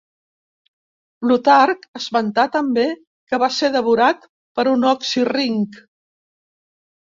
Plutarc esmenta també que va ser devorat per un oxirrinc.